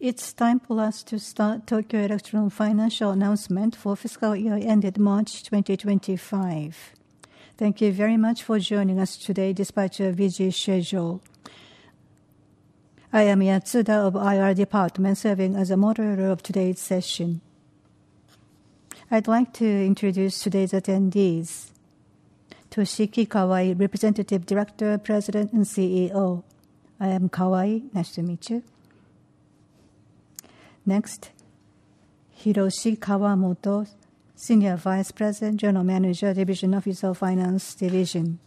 It's time for us to start Tokyo Electron Financial announcement for fiscal year ended March 2025. Thank you very much for joining us today despite your busy schedule. I am Yatsuda of IR Department, serving as a moderator of today's session. I'd like to introduce today's attendees: Toshiki Kawai, Representative Director, President, and CEO. I am Kawai, nice to meet you. Next, Hiroshi Kawamoto, Senior Vice President, General Manager, Division Officer, Finance Division.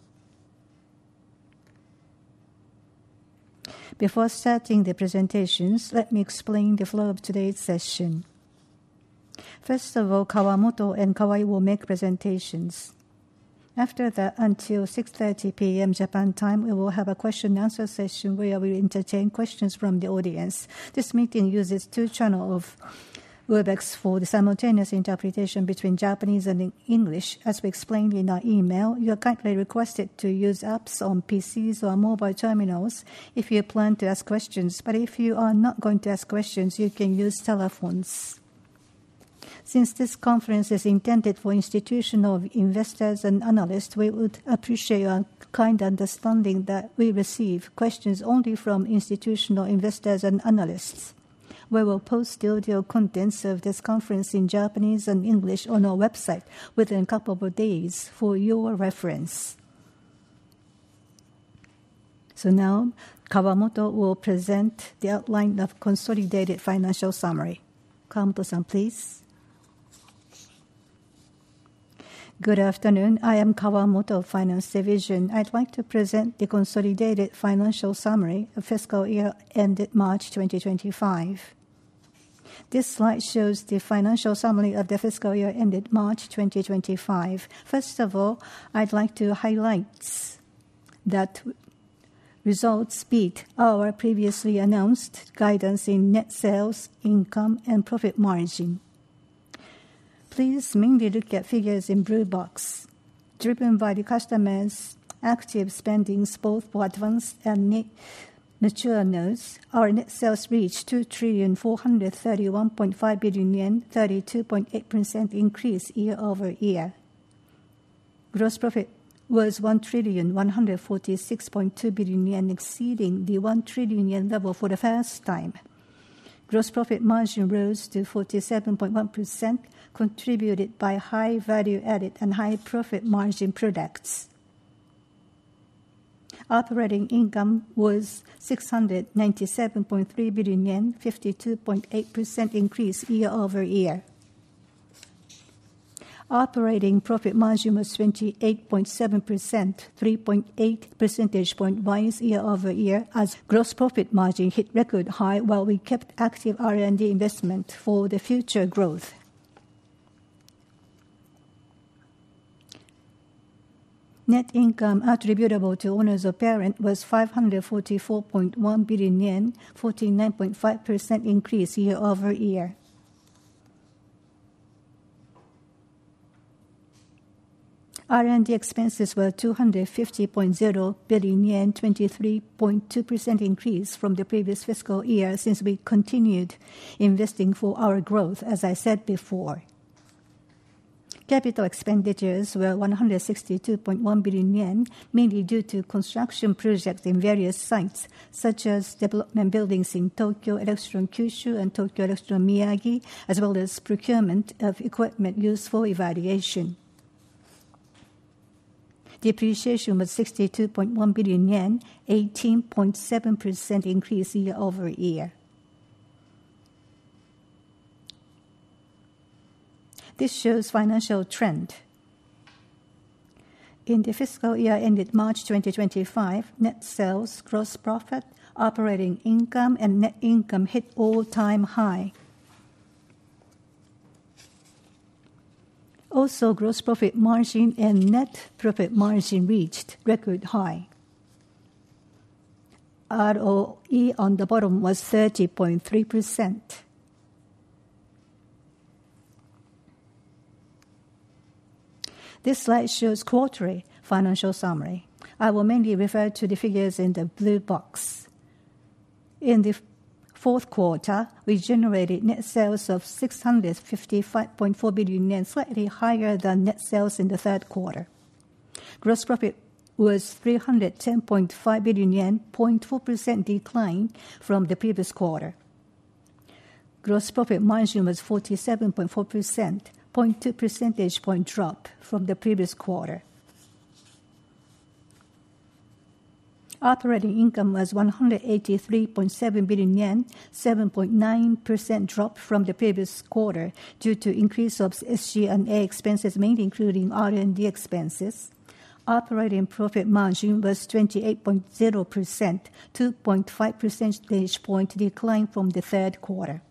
Before starting the presentations, let me explain the flow of today's session. First of all, Kawamoto and Kawai will make presentations. After that, until 6:30 P.M. Japan time, we will have a question-and-answer session where we will entertain questions from the audience. This meeting uses two channels of Webex for the simultaneous interpretation between Japanese and English. As we explained in our email, you are kindly requested to use apps on PCs or mobile terminals if you plan to ask questions, but if you are not going to ask questions, you can use telephones. Since this conference is intended for institutional investors and analysts, we would appreciate your kind understanding that we receive questions only from institutional investors and analysts. We will post the audio contents of this conference in Japanese and English on our website within a couple of days for your reference. Now, Kawamoto will present the outline of the consolidated financial summary. Kawamoto-san, please. Good afternoon. I am Kawamoto of Finance Division. I'd like to present the consolidated financial summary of fiscal year ended March 2025. This slide shows the financial summary of the fiscal year ended March 2025. First of all, I'd like to highlight that results beat our previously announced guidance in net sales, income, and profit margin. Please mainly look at figures in blue box. Driven by the customer's active spending both for advanced and mature nodes, our net sales reached 2,431.5 billion yen, a 32.8% increase year over year. Gross profit was 1,146.2 billion yen, exceeding the 1 trillion yen level for the first time. Gross profit margin rose to 47.1%, contributed by high value-added and high profit margin products. Operating income was 697.3 billion yen, a 52.8% increase year over year. Operating profit margin was 28.7%, a 3.8 percentage point rise year over year. Gross profit margin hit record high while we kept active R&D investment for the future growth. Net income attributable to owners of the parent was 544.1 billion yen, a 49.5% increase year over year. R&D expenses were 250.0 billion yen, a 23.2% increase from the previous fiscal year since we continued investing for our growth, as I said before. Capital expenditures were 162.1 billion yen, mainly due to construction projects in various sites, such as development buildings in Tokyo Electron, Kyushu, and Tokyo Electron, Miyagi, as well as procurement of equipment used for evaluation. Depreciation was 62.1 billion yen, an 18.7% increase year over year. This shows the financial trend. In the fiscal year ended March 2025, net sales, gross profit, operating income, and net income hit all-time high. Also, gross profit margin and net profit margin reached record high. ROE on the bottom was 30.3%. This slide shows the quarterly financial summary. I will mainly refer to the figures in the blue box. In the fourth quarter, we generated net sales of 655.4 billion yen, slightly higher than net sales in the third quarter. Gross profit was 310.5 billion yen, a 0.2% decline from the previous quarter. Gross profit margin was 47.4%, a 0.2 percentage point drop from the previous quarter. Operating income was 183.7 billion yen, a 7.9% drop from the previous quarter due to the increase of SG&A expenses, mainly including R&D expenses. Operating profit margin was 28.0%, a 2.5 percentage point decline from the third quarter.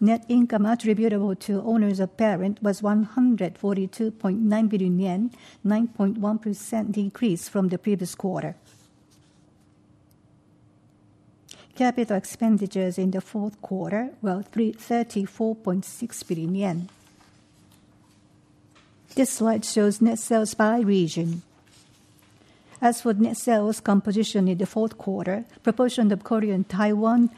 Net income attributable to owners or parents was 142.9 billion yen, a 9.1% decrease from the previous quarter. Capital expenditures in the fourth quarter were 34.6 billion yen. This slide shows net sales by region. As for net sales composition in the fourth quarter, the proportion of Korea and Taiwan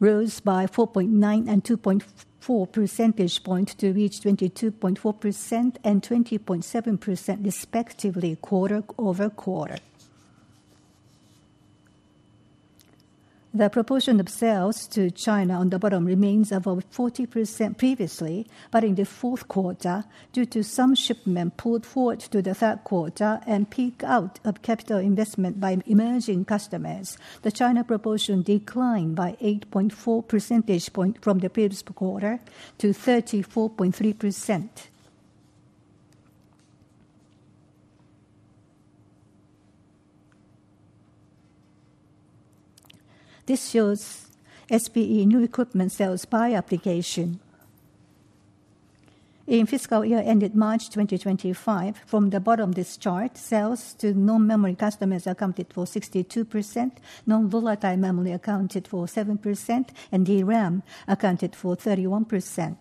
rose by 4.9 and 2.4 percentage points to reach 22.4% and 20.7%, respectively, quarter over quarter. The proportion of sales to China on the bottom remains above 40% previously, but in the fourth quarter, due to some shipment pulled forward to the third quarter and peak out of capital investment by emerging customers, the China proportion declined by 8.4 percentage points from the previous quarter to 34.3%. This shows SPE new equipment sales by application. In fiscal year ended March 2025, from the bottom of this chart, sales to non-memory customers accounted for 62%, non-volatile memory accounted for 7%, and DRAM accounted for 31%.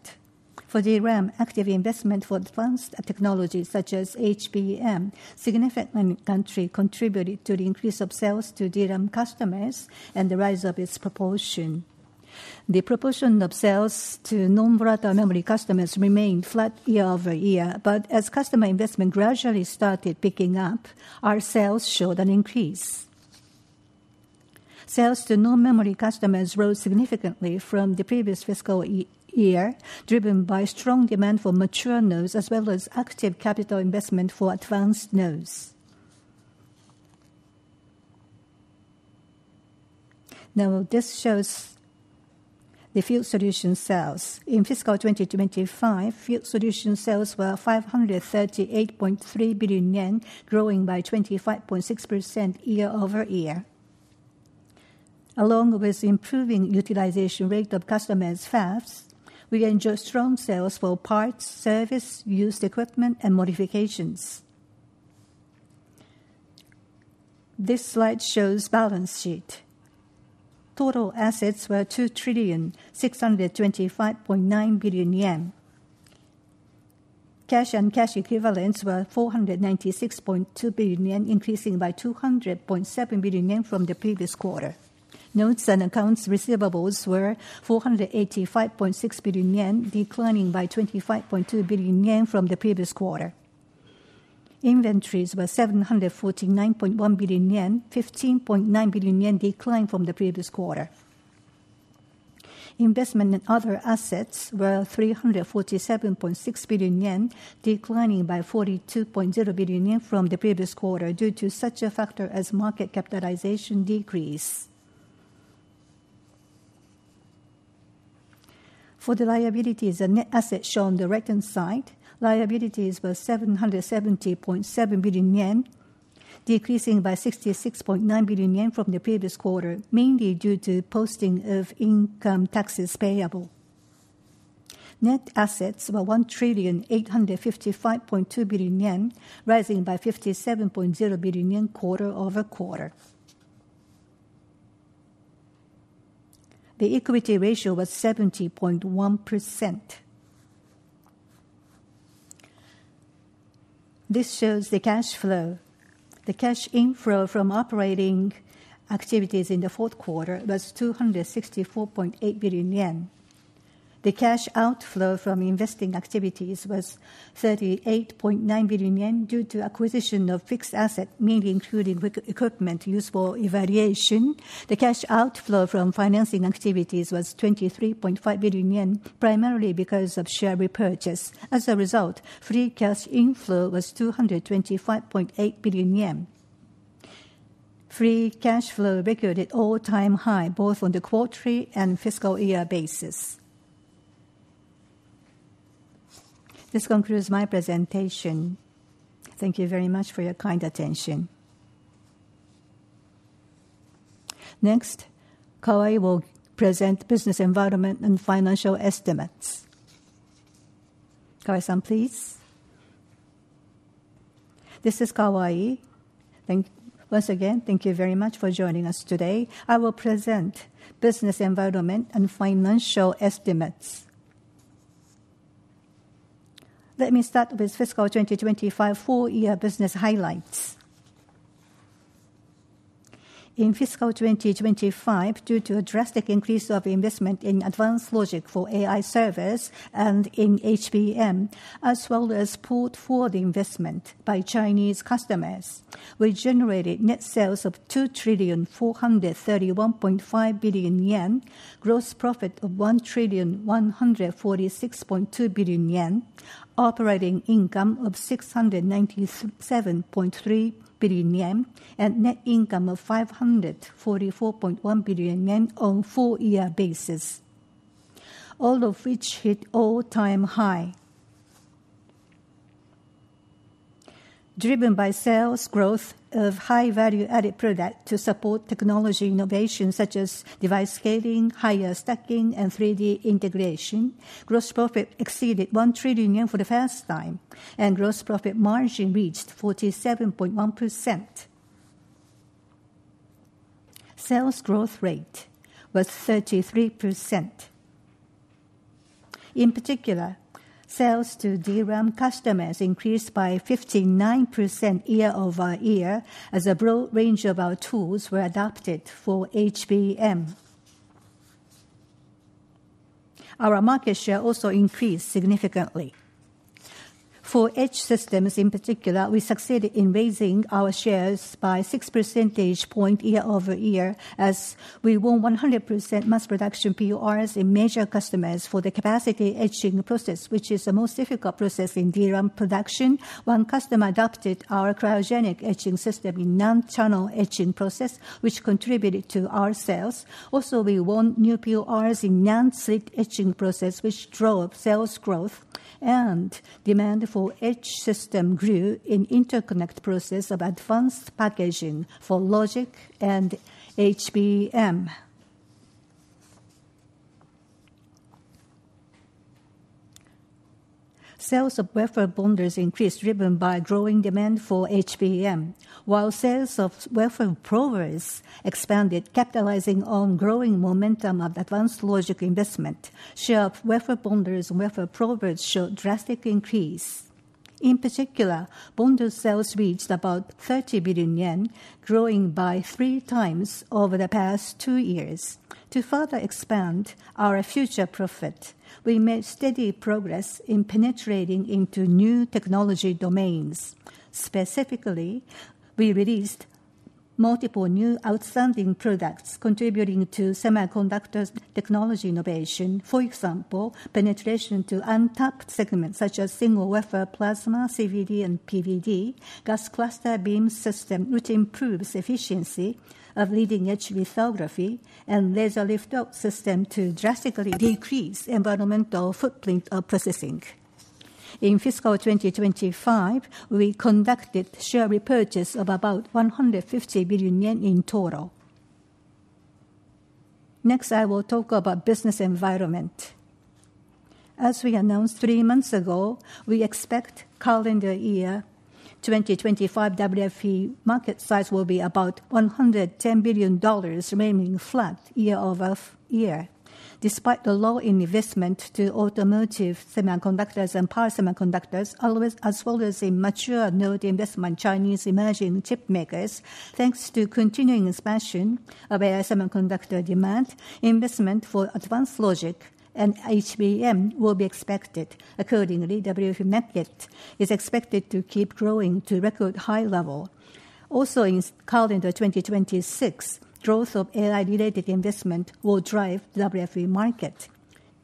For DRAM, active investment for advanced technologies such as HBM significantly contributed to the increase of sales to DRAM customers and the rise of its proportion. The proportion of sales to non-volatile memory customers remained flat year over year, but as customer investment gradually started picking up, our sales showed an increase. Sales to non-memory customers rose significantly from the previous fiscal year, driven by strong demand for mature nodes as well as active capital investment for advanced nodes. Now, this shows the field solution sales. In fiscal 2025, field solution sales were 538.3 billion yen, growing by 25.6% year over year. Along with improving utilization rate of customers' FAFs, we enjoyed strong sales for parts, service, used equipment, and modifications. This slide shows the balance sheet. Total assets were 2,625.9 billion yen. Cash and cash equivalents were 496.2 billion yen, increasing by 200.7 billion from the previous quarter. Notes and accounts receivables were 485.6 billion yen, declining by 25.2 billion from the previous quarter. Inventories were 749.1 billion yen, a 15.9 billion decline from the previous quarter. Investment in other assets were 347.6 billion yen, declining by 42.0 billion from the previous quarter due to such a factor as market capitalization decrease. For the liabilities and net assets shown on the right-hand side, liabilities were 770.7 billion yen, decreasing by 66.9 billion from the previous quarter, mainly due to posting of income taxes payable. Net assets were 1,855.2 billion yen, rising by 57.0 billion quarter over quarter. The equity ratio was 70.1%. This shows the cash flow. The cash inflow from operating activities in the fourth quarter was 264.8 billion yen. The cash outflow from investing activities was 38.9 billion yen due to acquisition of fixed assets, mainly including equipment used for evaluation. The cash outflow from financing activities was 23.5 billion yen, primarily because of share repurchase. As a result, free cash inflow was 225.8 billion yen. Free cash flow recorded all-time high, both on the quarterly and fiscal year basis. This concludes my presentation. Thank you very much for your kind attention. Next, Kawai will present business environment and financial estimates. Kawai-san, please. This is Kawai. Once again, thank you very much for joining us today. I will present business environment and financial estimates. Let me start with fiscal 2025 four-year business highlights. In fiscal 2025, due to a drastic increase of investment in advanced logic for AI servers and in HBM, as well as portfolio investment by Chinese customers, we generated net sales of 2,431.5 billion yen, gross profit of 1,146.2 billion yen, operating income of 697.3 billion yen, and net income of 544.1 billion yen on a four-year basis, all of which hit all-time high. Driven by sales growth of high-value-added products to support technology innovation such as device scaling, higher stacking, and 3D integration, gross profit exceeded 1 trillion yen for the first time, and gross profit margin reached 47.1%. Sales growth rate was 33%. In particular, sales to DRAM customers increased by 59% year over year as a broad range of our tools were adopted for HBM. Our market share also increased significantly. For edge systems in particular, we succeeded in raising our shares by 6 percentage points year over year as we won 100% mass production PORs in major customers for the capacitor etching process, which is the most difficult process in DRAM production. One customer adopted our cryogenic etching system in non-channel etching process, which contributed to our sales. Also, we won new PORs in non-slick etching process, which drove sales growth, and demand for edge system grew in the interconnect process of advanced packaging for logic and HBM. Sales of wafer bonders increased driven by growing demand for HBM, while sales of wafer probers expanded, capitalizing on growing momentum of advanced logic investment. Share of wafer bonders and wafer probers showed a drastic increase. In particular, bonder sales reached about 30 billion yen, growing by three times over the past two years. To further expand our future profit, we made steady progress in penetrating into new technology domains. Specifically, we released multiple new outstanding products contributing to semiconductor technology innovation. For example, penetration to untapped segments such as single wafer plasma, CVD, and PVD, gas cluster beam system, which improves the efficiency of leading-edge lithography, and laser lift-off system to drastically decrease the environmental footprint of processing. In fiscal 2025, we conducted share repurchase of about 150 billion yen in total. Next, I will talk about business environment. As we announced three months ago, we expect calendar year 2025 WFE market size will be about $110 billion, remaining flat year over year, despite the low investment to automotive semiconductors and power semiconductors, as well as in mature node investment in Chinese emerging chip makers. Thanks to continuing expansion of AI semiconductor demand, investment for advanced logic and HBM will be expected. Accordingly, WFE market is expected to keep growing to a record high level. Also, in calendar 2026, growth of AI-related investment will drive the WFE market.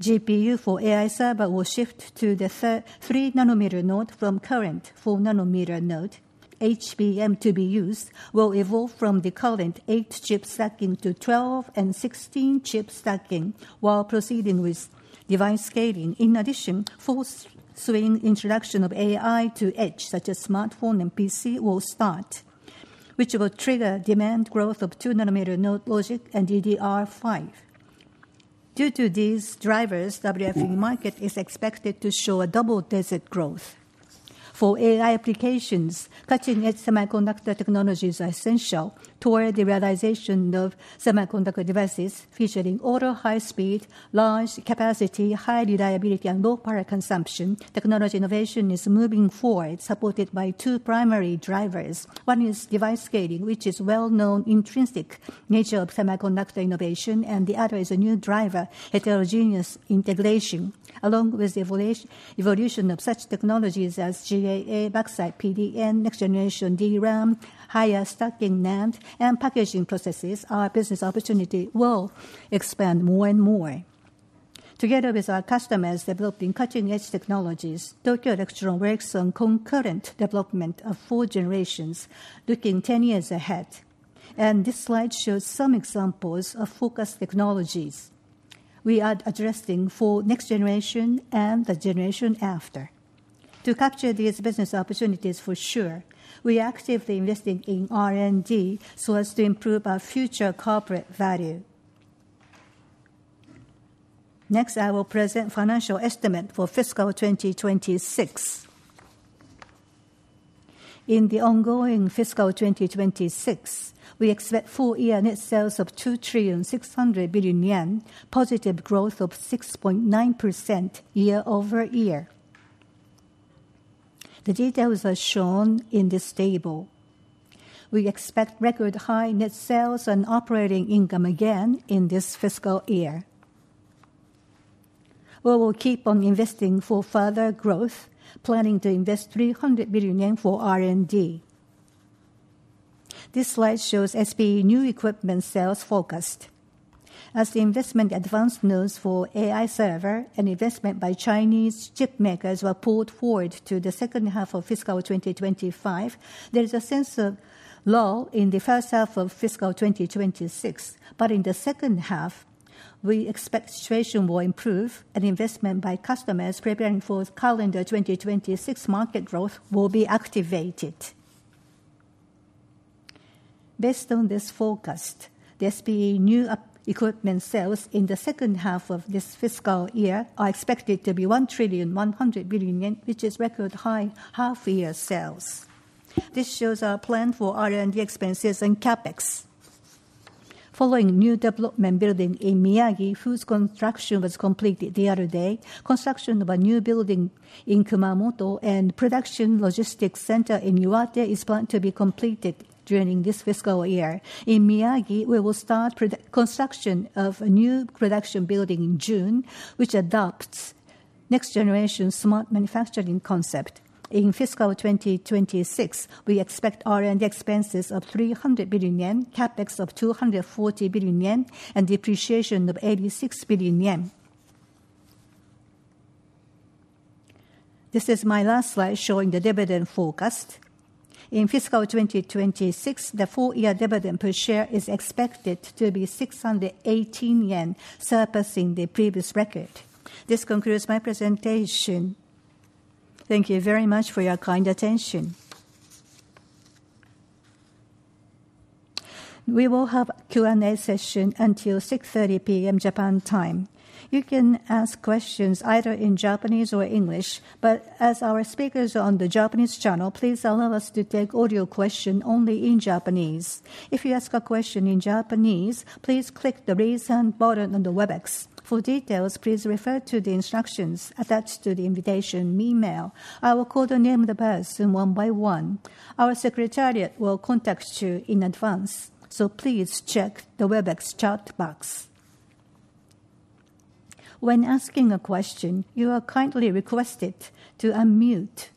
GPU for AI server will shift to the 3-nanometer node from current 4-nanometer node. HBM to be used will evolve from the current 8-chip stacking to 12 and 16-chip stacking while proceeding with device scaling. In addition, full-swing introduction of AI to edge, such as smartphone and PC, will start, which will trigger demand growth of 2-nanometer node logic and DDR5. Due to these drivers, the WFE market is expected to show a double-digit growth. For AI applications, cutting-edge semiconductor technologies are essential toward the realization of semiconductor devices featuring ultra-high-speed, large capacity, high reliability, and low power consumption. Technology innovation is moving forward, supported by two primary drivers. One is device scaling, which is well-known intrinsic nature of semiconductor innovation, and the other is a new driver, heterogeneous integration. Along with the evolution of such technologies as GAA, backside PDN, next-generation DRAM, higher stacking NAND, and packaging processes, our business opportunity will expand more and more. Together with our customers developing cutting-edge technologies, Tokyo Electron works on concurrent development of four generations, looking 10 years ahead. This slide shows some examples of focused technologies we are addressing for next generation and the generation after. To capture these business opportunities, for sure, we are actively investing in R&D so as to improve our future corporate value. Next, I will present the financial estimate for fiscal 2026. In the ongoing fiscal 2026, we expect full-year net sales of 2,600 billion yen, positive growth of 6.9% year over year. The details are shown in this table. We expect record-high net sales and operating income again in this fiscal year. We will keep on investing for further growth, planning to invest 300 billion yen for R&D. This slide shows SPE new equipment sales focused. As the investment in advanced nodes for AI server and investment by Chinese chip makers were pulled forward to the second half of fiscal 2025, there is a sense of lull in the first half of fiscal 2026. In the second half, we expect the situation will improve and investment by customers preparing for calendar 2026 market growth will be activated. Based on this forecast, the SPE new equipment sales in the second half of this fiscal year are expected to be 1,100 billion yen, which is record-high half-year sales. This shows our plan for R&D expenses and CapEx. Following new development building in Miyagi, whose construction was completed the other day, construction of a new building in Kumamoto and production logistics center in Iwate is planned to be completed during this fiscal year. In Miyagi, we will start construction of a new production building in June, which adopts next-generation smart manufacturing concept. In fiscal 2026, we expect R&D expenses of 300 billion yen, CapEx of 240 billion yen, and depreciation of 86 billion yen. This is my last slide showing the dividend forecast. In fiscal 2026, the four-year dividend per share is expected to be 618 yen, surpassing the previous record. This concludes my presentation. Thank you very much for your kind attention. We will have a Q&A session until 6:30 P.M. Japan time. You can ask questions either in Japanese or English, but as our speakers are on the Japanese channel, please allow us to take audio questions only in Japanese. If you ask a question in Japanese, please click the raise-hand button on the Webex. For details, please refer to the instructions attached to the invitation email. I will call the name of the person one by one. Our secretariat will contact you in advance, so please check the Webex chat box. When asking a question, you are kindly requested to unmute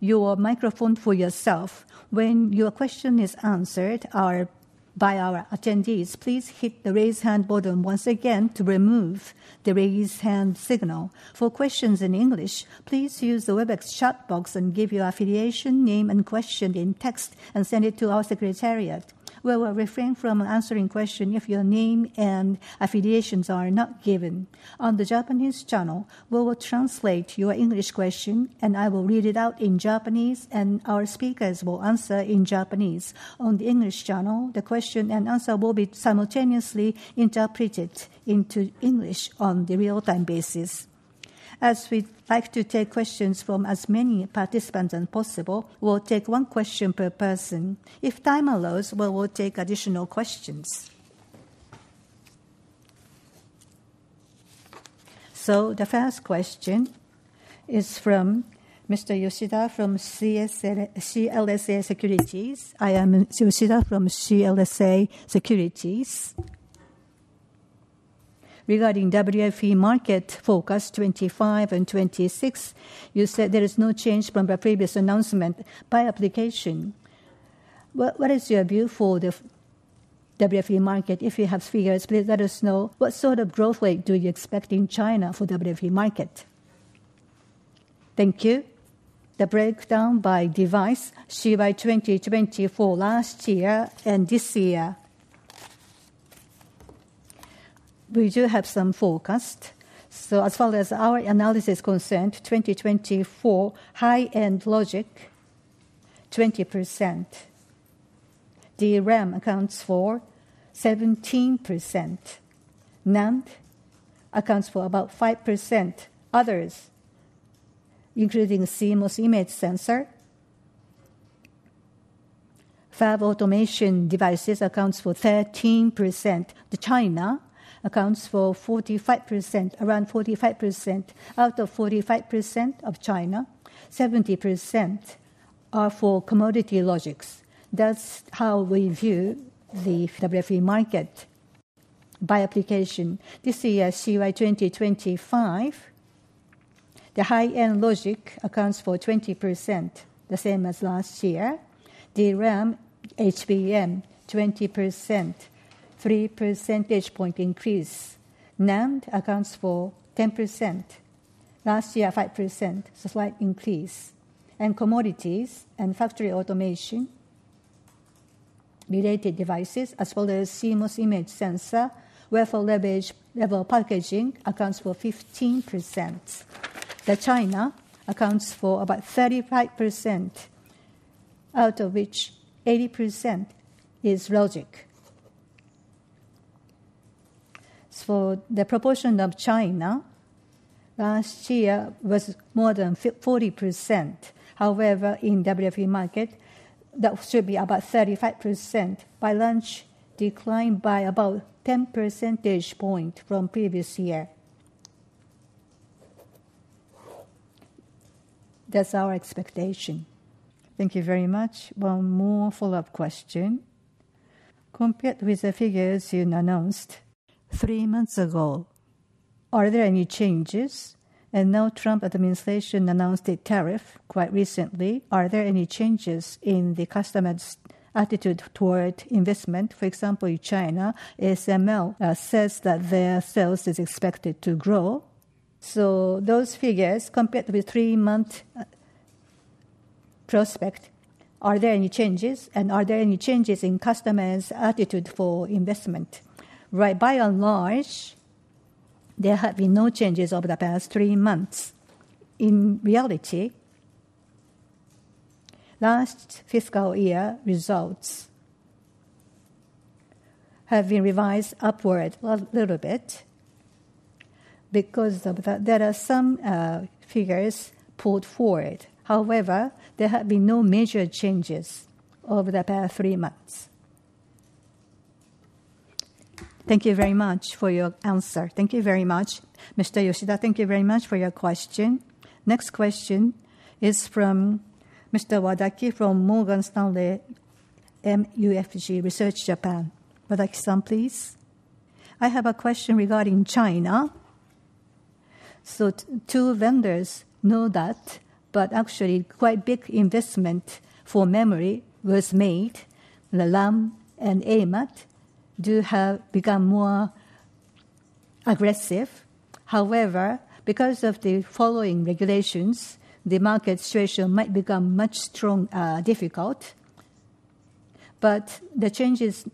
your microphone for yourself. When your question is answered by our attendees, please hit the raise-hand button once again to remove the raise-hand signal. For questions in English, please use the Webex chat box and give your affiliation, name, and question in text and send it to our secretariat. We will refrain from answering questions if your name and affiliations are not given. On the Japanese channel, we will translate your English question, and I will read it out in Japanese, and our speakers will answer in Japanese. On the English channel, the question and answer will be simultaneously interpreted into English on a real-time basis. As we like to take questions from as many participants as possible, we'll take one question per person. If time allows, we will take additional questions. The first question is from Mr. Yoshida from CLSA Securities. I am Yoshida from CLSA Securities. Regarding WFE market focus 25 and 26, you said there is no change from the previous announcement by application. What is your view for the WFE market? If you have figures, please let us know. What sort of growth rate do you expect in China for the WFE market? Thank you. The breakdown by device shared by 2024 last year and this year. We do have some focus. As far as our analysis concerned, 2024 high-end logic 20%. DRAM accounts for 17%. NAND accounts for about 5%. Others, including CMOS image sensor, five automation devices accounts for 13%. China accounts for 45%, around 45%. Out of 45% of China, 70% are for commodity logics. That is how we view the WFE market by application. This year, CY 2025, the high-end logic accounts for 20%, the same as last year. DRAM, HBM, 20%, 3 percentage point increase. NAND accounts for 10%. Last year, 5%, so slight increase. Commodities and factory automation-related devices, as well as CMOS image sensor, wafer level packaging accounts for 15%. China accounts for about 35%, out of which 80% is logic. The proportion of China last year was more than 40%. However, in the WFE market, that should be about 35% by lunch, declined by about 10 percentage points from previous year. That's our expectation. Thank you very much. One more follow-up question. Compared with the figures you announced three months ago, are there any changes? Now the Trump administration announced a tariff quite recently. Are there any changes in the customer's attitude toward investment? For example, in China, ASML says that their sales are expected to grow. Those figures, compared with three-month prospect, are there any changes? Are there any changes in customers' attitude for investment? Right, by and large, there have been no changes over the past three months. In reality, last fiscal year results have been revised upward a little bit because there are some figures pulled forward. However, there have been no major changes over the past three months. Thank you very much for your answer. Thank you very much, Mr. Yoshida. Thank you very much for your question. Next question is from Mr. Wadaki from Morgan Stanley MUFG Research Japan. Wadaki, please. I have a question regarding China tool vendors know that, but actually quite big investment for memory was made. LAM and AMAT do have become more aggressive. However, because of the following regulations, the market situation might become much stronger, difficult. The changes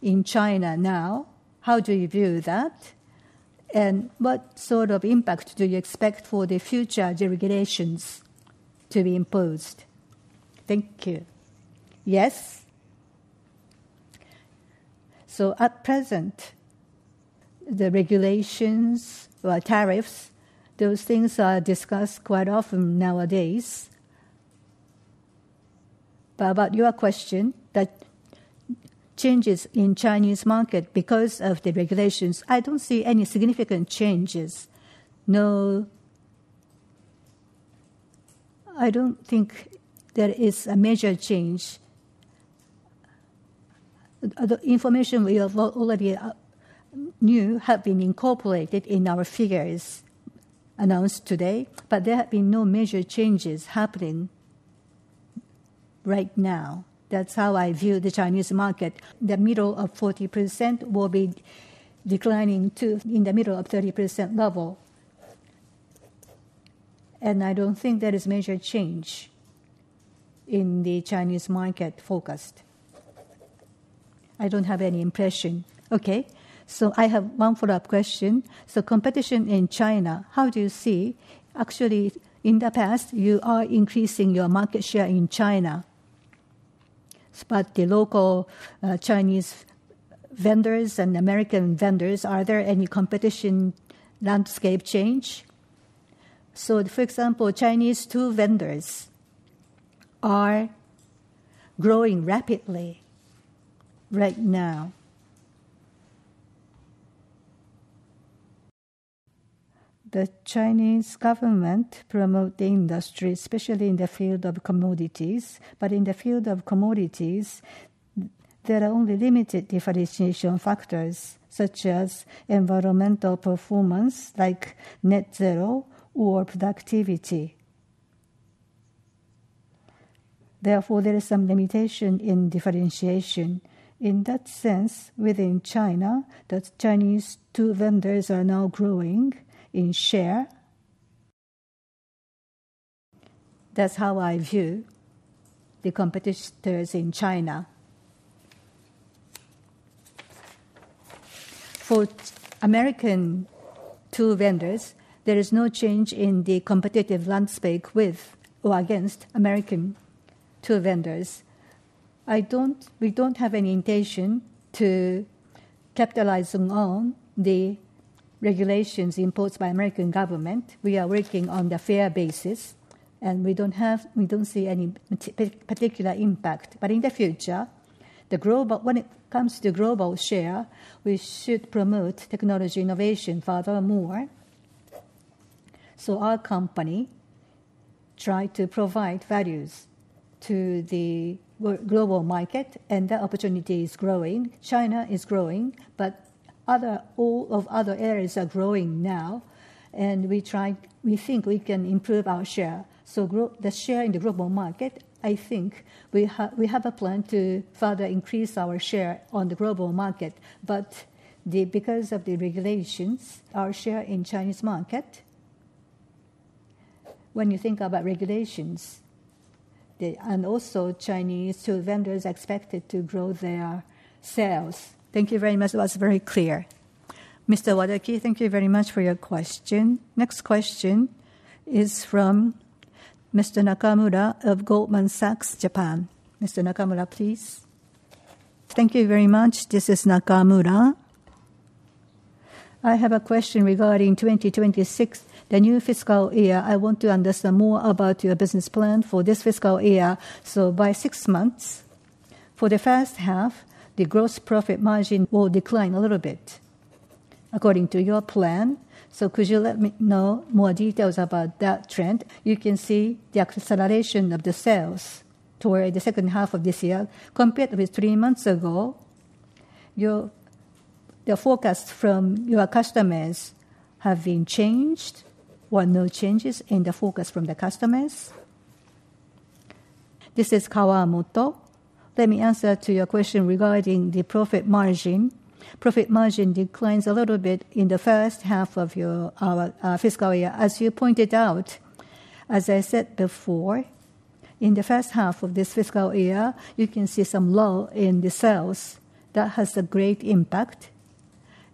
in China now, how do you view that? What sort of impact do you expect for the future deregulations to be imposed? Thank you. Yes. At present, the regulations or tariffs, those things are discussed quite often nowadays. About your question, that changes in Chinese market because of the regulations, I do not see any significant changes. No, I do not think there is a major change. The information we have already knew has been incorporated in our figures announced today, but there have been no major changes happening right now. That is how I view the Chinese market. The middle of 40% will be declining to in the middle of 30% level. I do not think there is major change in the Chinese market focus. I do not have any impression. Okay, I have one follow-up question. Competition in China, how do you see? Actually, in the past, you are increasing your market share in China. The local Chinese vendors and American vendors, are there any competition landscape change? For example, Chinese tool vendors are growing rapidly right now. The Chinese government promotes industry, especially in the field of commodities. In the field of commodities, there are only limited differentiation factors such as environmental performance, like net zero or productivity. Therefore, there is some limitation in differentiation. In that sense, within China, the Chinese tool vendors are now growing in share. That's how I view the competitors in China. For American tool vendors, there is no change in the competitive landscape with or against American tool vendors. We do not have any intention to capitalize on the regulations imposed by the American government. We are working on the fair basis, and we do not see any particular impact. In the future, when it comes to global share, we should promote technology innovation furthermore. Our company tries to provide values to the global market, and the opportunity is growing. China is growing, but all of other areas are growing now, and we think we can improve our share. The share in the global market, I think we have a plan to further increase our share on the global market. Because of the regulations, our share in the Chinese market, when you think about regulations and also Chinese tool vendors expected to grow their sales. Thank you very much. That was very clear. Mr. Wadaki, thank you very much for your question. Next question is from Mr. Nakamura of Goldman Sachs Japan. Mr. Nakamura, please. Thank you very much. This is Nakamura. I have a question regarding 2026, the new fiscal year. I want to understand more about your business plan for this fiscal year. By six months, for the first half, the gross profit margin will decline a little bit according to your plan. Could you let me know more details about that trend? You can see the acceleration of the sales toward the second half of this year compared with three months ago. The focus from your customers has been changed or no changes in the focus from the customers. This is Kawamoto. Let me answer your question regarding the profit margin. Profit margin declines a little bit in the first half of your fiscal year. As you pointed out, as I said before, in the first half of this fiscal year, you can see some low in the sales. That has a great impact.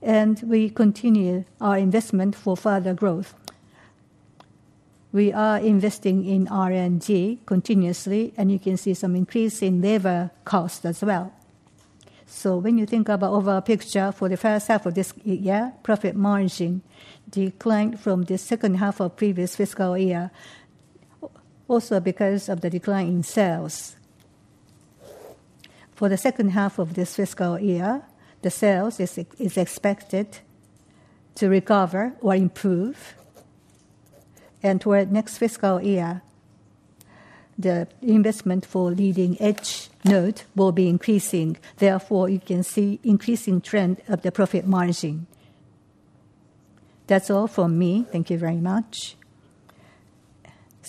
We continue our investment for further growth. We are investing in R&D continuously, and you can see some increase in labor costs as well. When you think about the overall picture for the first half of this year, profit margin declined from the second half of the previous fiscal year also because of the decline in sales. For the second half of this fiscal year, the sales are expected to recover or improve. Toward next fiscal year, the investment for leading-edge nodes will be increasing. Therefore, you can see an increasing trend of the profit margin. That's all from me. Thank you very much.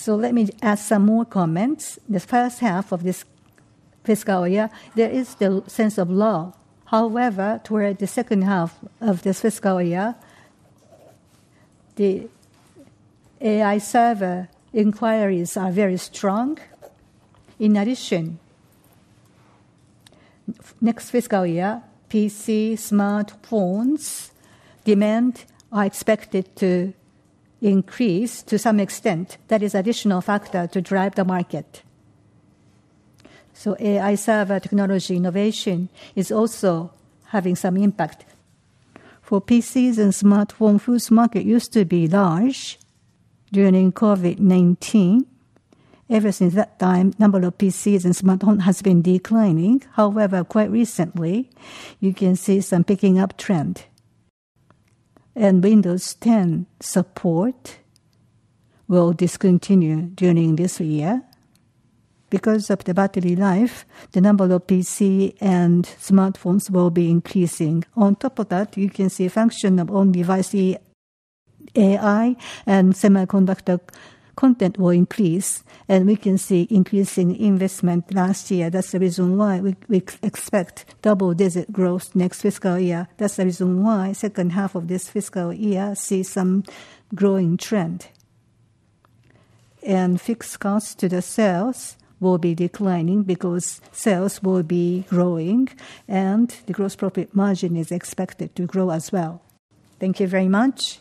Let me add some more comments. The first half of this fiscal year, there is the sense of low. However, toward the second half of this fiscal year, the AI server inquiries are very strong. In addition, next fiscal year, PC smartphones demand is expected to increase to some extent. That is an additional factor to drive the market. AI server technology innovation is also having some impact. For PCs and smartphones, the market used to be large during COVID-19. Ever since that time, the number of PCs and smartphones has been declining. However, quite recently, you can see some picking up trend. Windows 10 support will discontinue during this year. Because of the battery life, the number of PCs and smartphones will be increasing. On top of that, you can see a function of own device AI and semiconductor content will increase. We can see increasing investment last year. That's the reason why we expect double-digit growth next fiscal year. That's the reason why the second half of this fiscal year sees some growing trend. Fixed costs to the sales will be declining because sales will be growing. The gross profit margin is expected to grow as well. Thank you very much.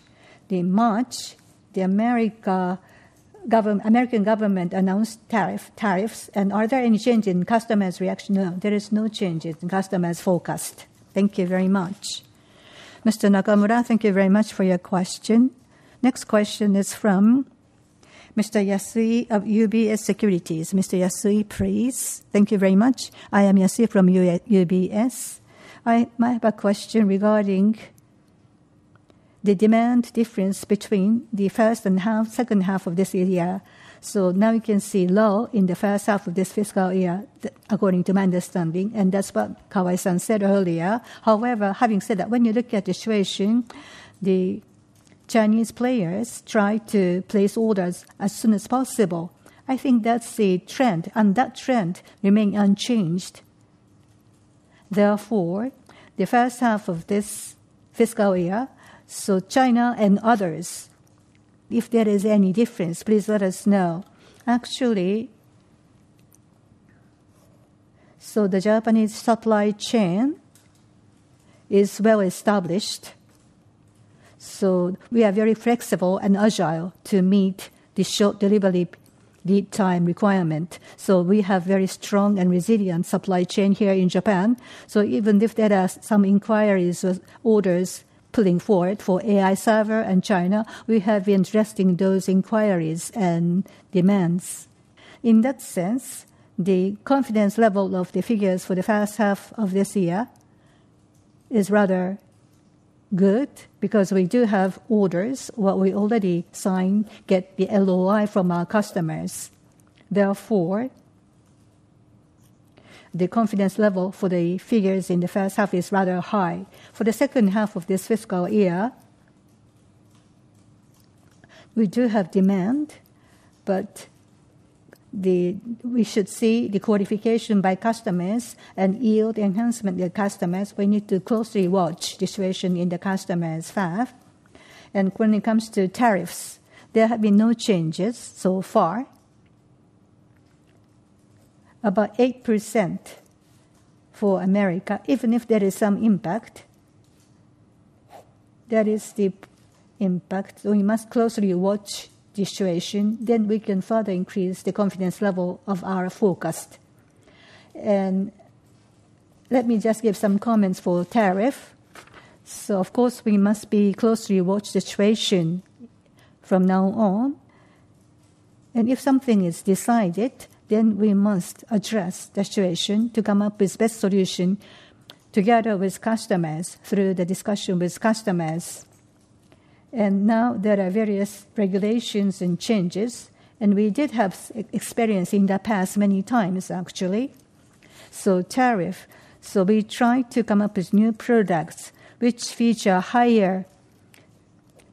In March, the American government announced tariffs. Are there any changes in customers' reaction? No, there is no change in customers' focus. Thank you very much. Mr. Nakamura, thank you very much for your question. Next question is from Mr. Yasui of UBS Securities. Mr. Yasui, please. Thank you very much. I am Yasui from UBS. I have a question regarding the demand difference between the first and second half of this year. You can see low in the first half of this fiscal year, according to my understanding. That is what Kawai-san said earlier. However, having said that, when you look at the situation, the Chinese players try to place orders as soon as possible. I think that is the trend. That trend remains unchanged. Therefore, the first half of this fiscal year, China and others, if there is any difference, please let us know. Actually, the Japanese supply chain is well established. We are very flexible and agile to meet the short delivery lead time requirement. We have a very strong and resilient supply chain here in Japan. Even if there are some inquiries or orders pulling forward for AI server and China, we have been addressing those inquiries and demands. In that sense, the confidence level of the figures for the first half of this year is rather good because we do have orders. What we already signed gets the LOI from our customers. Therefore, the confidence level for the figures in the first half is rather high. For the second half of this fiscal year, we do have demand, but we should see the qualification by customers and yield enhancement by customers. We need to closely watch the situation in the customers' staff. When it comes to tariffs, there have been no changes so far. About 8% for America, even if there is some impact. That is the impact. We must closely watch the situation. Let me just give some comments for tariff. Of course, we must closely watch the situation from now on. If something is decided, we must address the situation to come up with the best solution together with customers through the discussion with customers. Now there are various regulations and changes. We did have experience in the past many times, actually. Tariff, we try to come up with new products which feature higher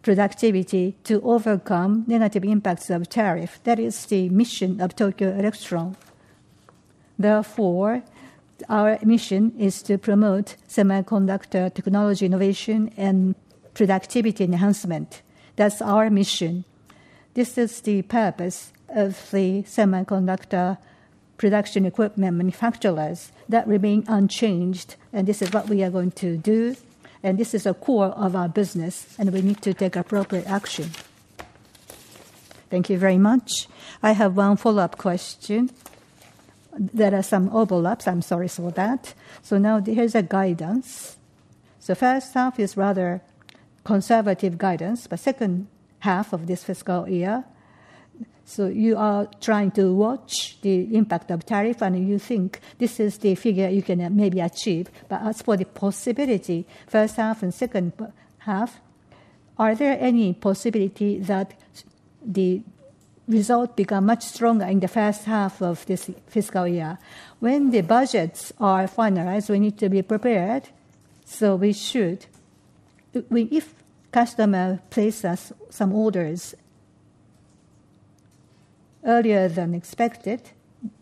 productivity to overcome negative impacts of tariff. That is the mission of Tokyo Electron. Therefore, our mission is to promote semiconductor technology innovation and productivity enhancement. That's our mission. This is the purpose of the semiconductor production equipment manufacturers that remain unchanged. This is what we are going to do. This is a core of our business. We need to take appropriate action. Thank you very much. I have one follow-up question. There are some overlaps. I'm sorry for that. Here's a guidance. First half is rather conservative guidance for the second half of this fiscal year. You are trying to watch the impact of tariff. You think this is the figure you can maybe achieve. As for the possibility, first half and second half, are there any possibility that the result becomes much stronger in the first half of this fiscal year? When the budgets are finalized, we need to be prepared. We should, if customers place us some orders earlier than expected,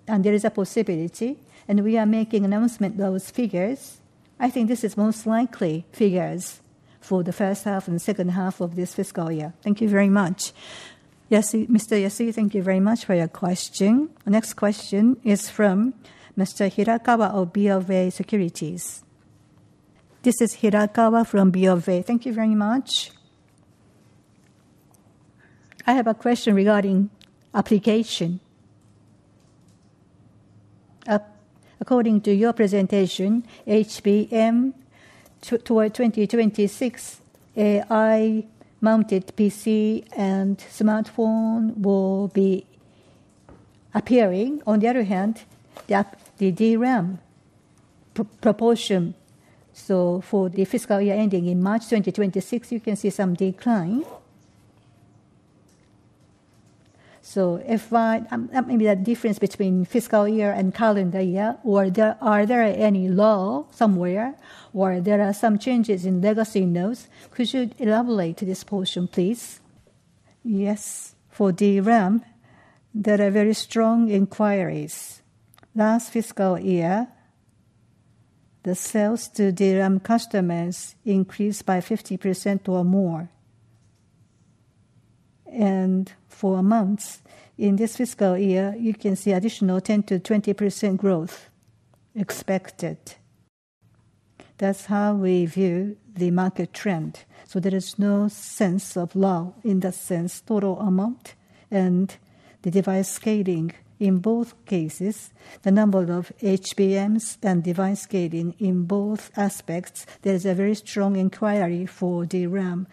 and there is a possibility, and we are making announcement of those figures, I think this is most likely figures for the first half and second half of this fiscal year. Thank you very much. Mr. Yasui, thank you very much for your question. Next question is from Mr. Hirakawa of BofA Securities. This is Hirakawa from BofA. Thank you very much. I have a question regarding application. According to your presentation, HBM toward 2026, AI-mounted PC and smartphone will be appearing. On the other hand, the DRAM proportion. For the fiscal year ending in March 2026, you can see some decline. Maybe the difference between fiscal year and calendar year, or are there any low somewhere, or there are some changes in legacy nodes? Could you elaborate this portion, please? Yes. For DRAM, there are very strong inquiries. Last fiscal year, the sales to DRAM customers increased by 50% or more. For months in this fiscal year, you can see an additional 10%-20% growth expected. That is how we view the market trend. There is no sense of low in the sense total amount and the device scaling in both cases, the number of HBMs and device scaling in both aspects. There is a very strong inquiry for DRAM.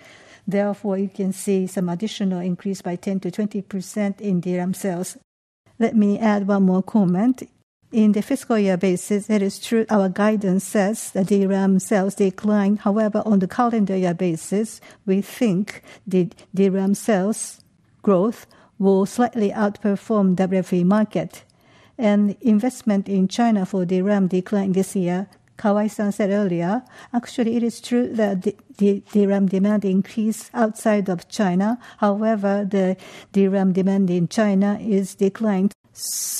Therefore, you can see some additional increase by 10%-20% in DRAM sales. Let me add one more comment. On a fiscal year basis, it is true our guidance says that DRAM sales decline. However, on a calendar year basis, we think the DRAM sales growth will slightly outperform the WFE market. Investment in China for DRAM declined this year. Kawai-san said earlier, actually, it is true that the DRAM demand increased outside of China. However, the DRAM demand in China is declined.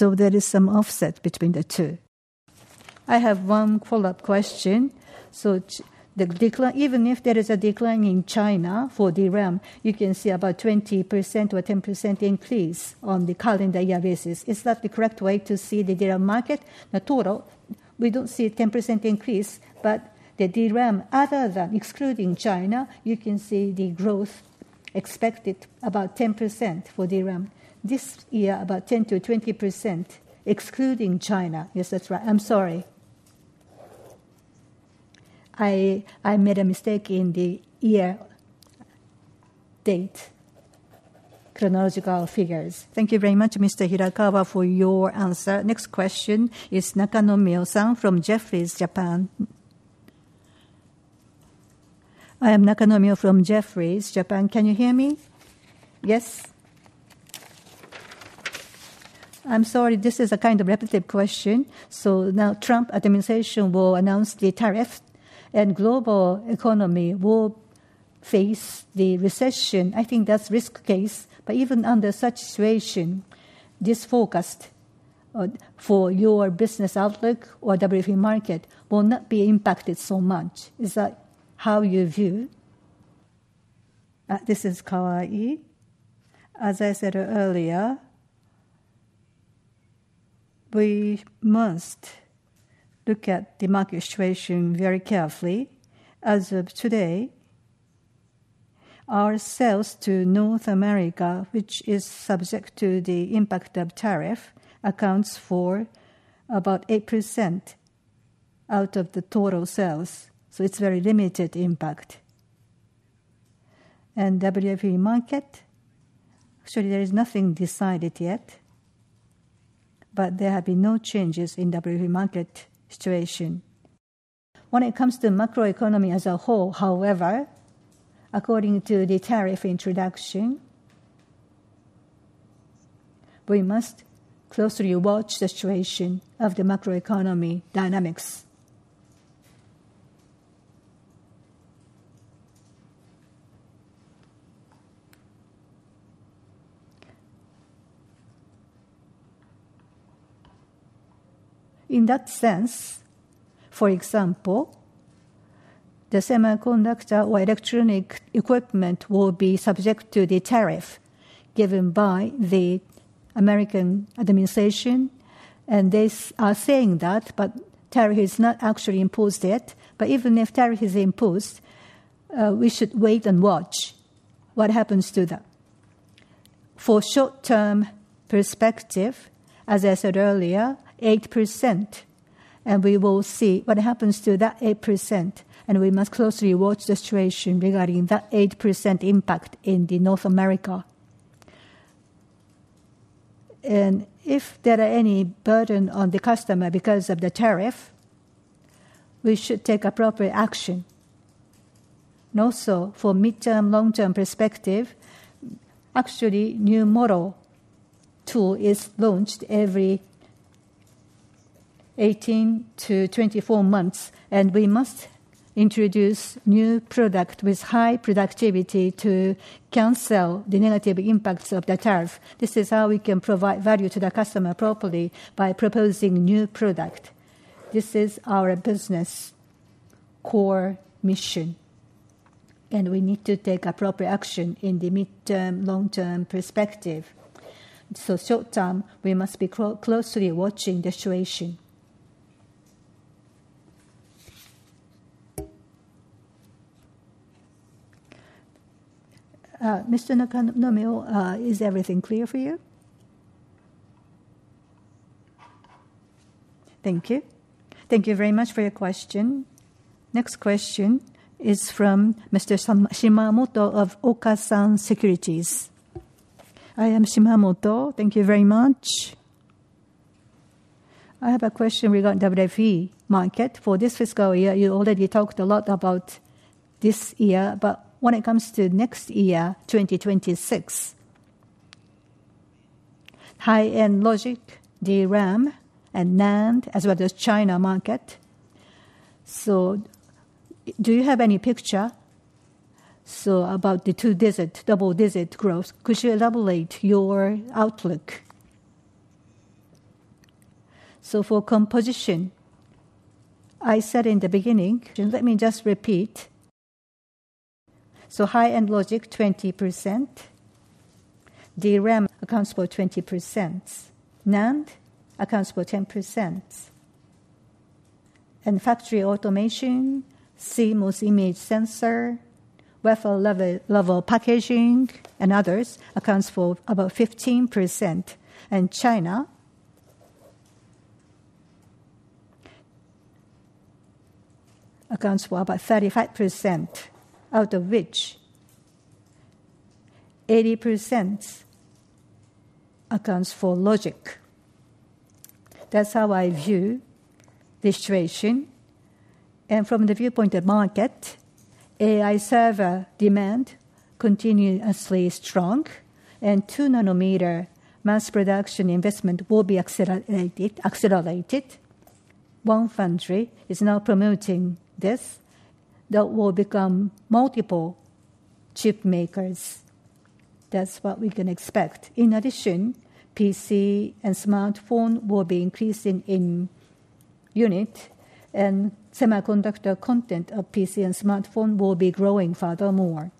There is some offset between the two. I have one follow-up question. Even if there is a decline in China for DRAM, you can see about 20% or 10% increase on the calendar year basis. Is that the correct way to see the DRAM market? The total, we do not see a 10% increase, but the DRAM, other than excluding China, you can see the growth expected about 10% for DRAM. This year, about 10%-20% excluding China. Yes, that is right. I am sorry. I made a mistake in the year date, chronological figures. Thank you very much, Mr. Hirakawa, for your answer. Next question is Nakanomyo-san from Jefferies Japan. I am Nakanomyo from Jefferies Japan. Can you hear me? Yes. I am sorry. This is a kind of repetitive question. Now the Trump administration will announce the tariff, and the global economy will face the recession. I think that's a risk case. Even under such a situation, this focus for your business outlook or WFE market will not be impacted so much. Is that how you view? This is Kawai-i. As I said earlier, we must look at the market situation very carefully. As of today, our sales to North America, which is subject to the impact of tariff, accounts for about 8% out of the total sales. It is a very limited impact. The WFE market, actually, there is nothing decided yet. There have been no changes in the WFE market situation. When it comes to the macroeconomy as a whole, however, according to the tariff introduction, we must closely watch the situation of the macroeconomy dynamics. In that sense, for example, the semiconductor or electronic equipment will be subject to the tariff given by the American administration. They are saying that, but tariff is not actually imposed yet. Even if tariff is imposed, we should wait and watch what happens to that. For short-term perspective, as I said earlier, 8%. We will see what happens to that 8%. We must closely watch the situation regarding that 8% impact in North America. If there is any burden on the customer because of the tariff, we should take appropriate action. Also, for mid-term, long-term perspective, actually, a new model tool is launched every 18-24 months. We must introduce new products with high productivity to cancel the negative impacts of the tariff. This is how we can provide value to the customer properly by proposing new products. This is our business core mission. We need to take appropriate action in the mid-term, long-term perspective. Short-term, we must be closely watching the situation. Mr. Nakano Mio, is everything clear for you? Thank you. Thank you very much for your question. Next question is from Mr. Shimamoto of Okasan Securities. I am Shimamoto. Thank you very much. I have a question regarding the WFE market for this fiscal year. You already talked a lot about this year. When it comes to next year, 2026, high-end logic, DRAM, and NAND, as well as China market. Do you have any picture about the two-digit, double-digit growth? Could you elaborate your outlook? For composition, I said in the beginning. Let me just repeat. High-end logic, 20%. DRAM accounts for 20%. NAND accounts for 10%. Factory automation, CMOS image sensor, wafer-level packaging, and others account for about 15%. China accounts for about 35%, out of which 80% accounts for logic. That's how I view the situation. From the viewpoint of market, AI server demand is continuously strong. 2-nanometer mass production investment will be accelerated. One foundry is now promoting this. That will become multiple chip makers. That's what we can expect. In addition, PC and smartphone will be increasing in unit. Semiconductor content of PC and smartphone will be growing furthermore.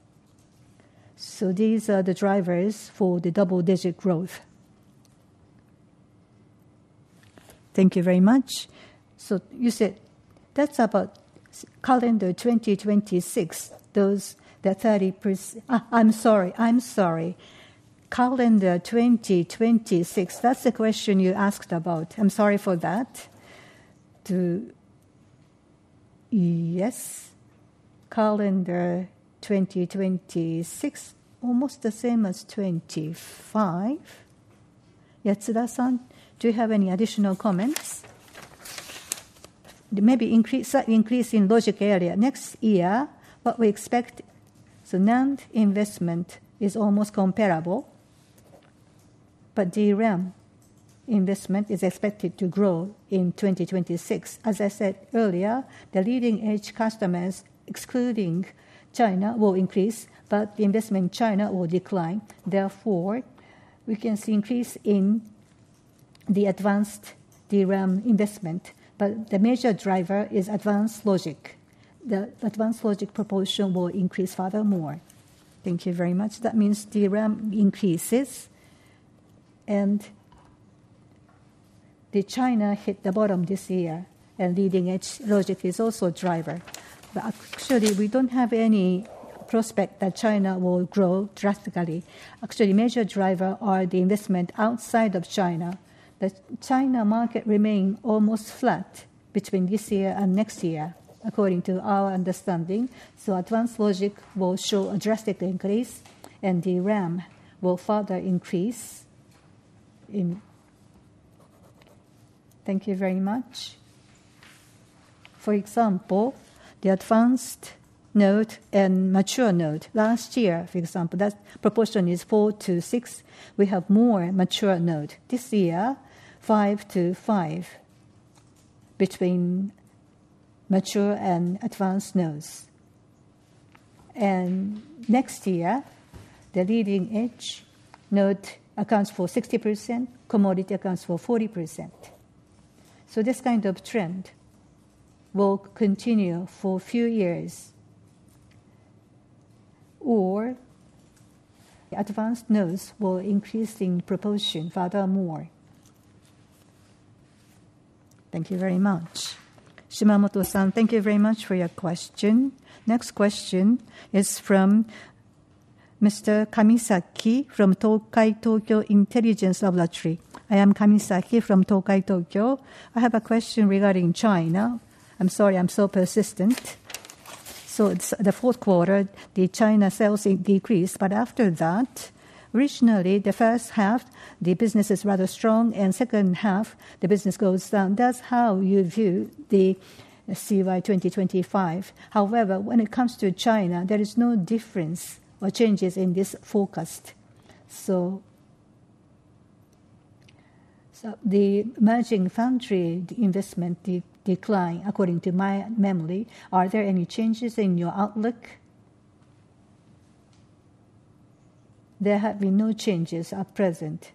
These are the drivers for the double-digit growth. Thank you very much. You said that's about calendar 2026, those 30%. I'm sorry. Calendar 2026, that's the question you asked about. I'm sorry for that. Yes. Calendar 2026, almost the same as 2025. Yatsuda-san, do you have any additional comments? Maybe increase in logic area next year. What we expect. NAND investment is almost comparable. DRAM investment is expected to grow in 2026. As I said earlier, the leading-edge customers, excluding China, will increase. The investment in China will decline. We can see an increase in the advanced DRAM investment. The major driver is advanced logic. The advanced logic proportion will increase furthermore. Thank you very much. That means DRAM increases. China hit the bottom this year. Leading-edge logic is also a driver. Actually, we do not have any prospect that China will grow drastically. Actually, major drivers are the investment outside of China. The China market remains almost flat between this year and next year, according to our understanding. Advanced logic will show a drastic increase. DRAM will further increase. Thank you very much. For example, the advanced node and mature node. Last year, for example, that proportion is 4-6. We have more mature nodes. This year, 5-5 between mature and advanced nodes. Next year, the leading-edge node accounts for 60%. Commodity accounts for 40%. This kind of trend will continue for a few years. Advanced nodes will increase in proportion furthermore. Thank you very much. Shimamoto-san, thank you very much for your question. Next question is from Mr. Kamisaki from Tokai Tokyo Intelligence Laboratory. I am Kamisaki from Tokai Tokyo. I have a question regarding China. I'm sorry. I'm so persistent. The fourth quarter, the China sales decreased. After that, originally, the first half, the business is rather strong. Second half, the business goes down. That's how you view the CY 2025. However, when it comes to China, there is no difference or changes in this focus. The merging foundry investment declined, according to my memory. Are there any changes in your outlook? There have been no changes at present.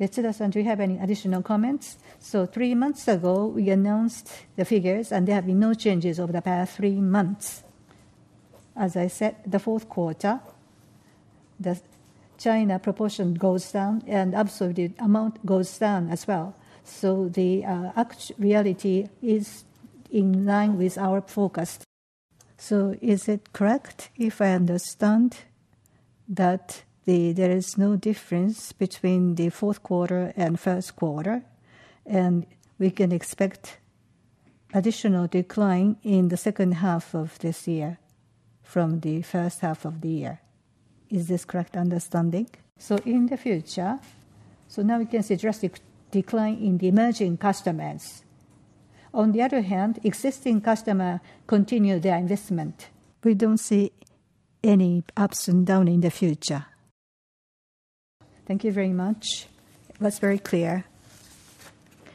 Yatsuda-san, do you have any additional comments? Three months ago, we announced the figures. There have been no changes over the past three months. As I said, the fourth quarter, the China proportion goes down. Absolutely, the amount goes down as well. The reality is in line with our focus. Is it correct if I understand that there is no difference between the fourth quarter and first quarter? We can expect additional decline in the second half of this year from the first half of the year. Is this correct understanding? In the future, now we can see a drastic decline in the emerging customers. On the other hand, existing customers continue their investment. We do not see any ups and downs in the future. Thank you very much. That is very clear.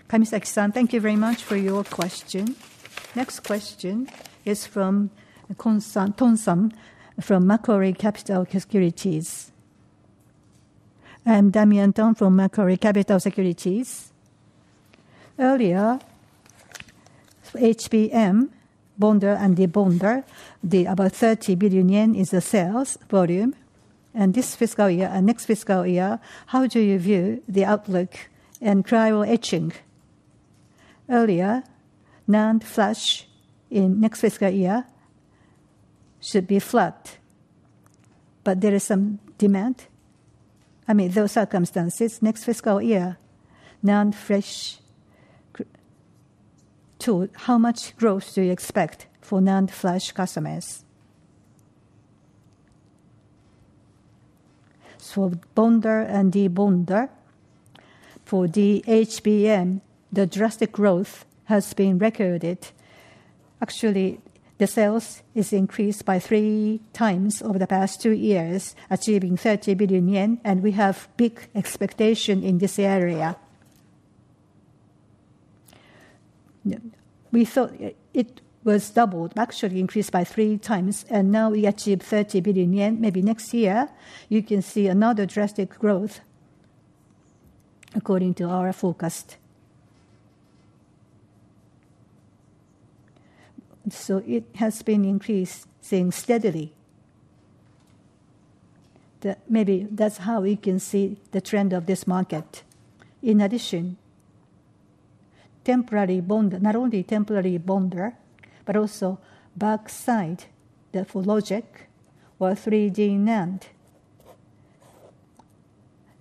Kamisaki-san, thank you very much for your question. Next question is from Tong from Macquarie Capital Securities. I am Damien Tong from Macquarie Capital Securities. Earlier, HBM, Bonder, and Debonder, the about 30 billion yen is the sales volume. This fiscal year and next fiscal year, how do you view the outlook and cryo etching? Earlier, NAND flash in next fiscal year should be flat. There is some demand. I mean, those circumstances, next fiscal year, NAND flash too, how much growth do you expect for NAND flash customers? Bonder and Debonder, for the HBM, the drastic growth has been recorded. Actually, the sales have increased by three times over the past two years, achieving 30 billion yen. We have big expectations in this area. We thought it was doubled, actually increased by three times. Now we achieve 30 billion yen. Maybe next year, you can see another drastic growth, according to our focus. It has been increasing steadily. Maybe that's how we can see the trend of this market. In addition, temporary Bonder, not only temporary Bonder, but also backside for logic or 3D NAND.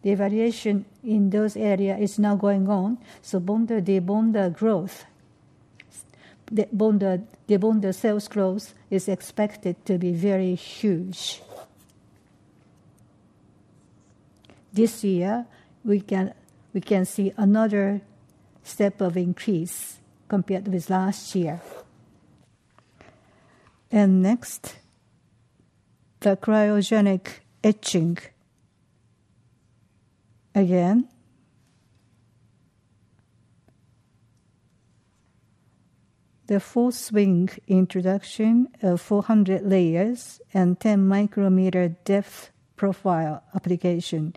The evaluation in those areas is now going on. Bonder, Debonder growth, Debonder sales growth is expected to be very huge. This year, we can see another step of increase compared with last year. Next, the cryogenic etching. Again, the full swing introduction of 400 layers and 10 micrometer depth profile application.